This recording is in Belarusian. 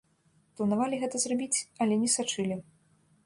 Планавалі гэта зрабіць, але не сачылі.